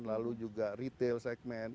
lalu juga retail segment